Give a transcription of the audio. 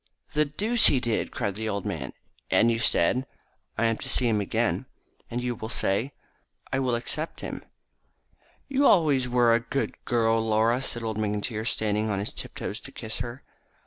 "The deuce he did!" cried the old man. "And you said ?" "I am to see him again." "And you will say ?" "I will accept him." "You were always a good girl, Laura," said old McIntyre, standing on his tiptoes to kiss her.